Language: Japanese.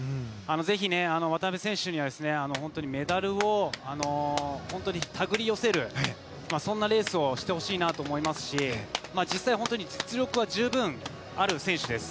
ぜひ渡辺選手にはメダルを手繰り寄せるそんなレースをしてほしいなと思いますし実際、実力は十分ある選手です。